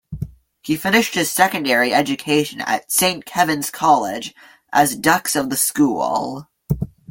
He finished his secondary education at Saint Kevin's College as dux of the school.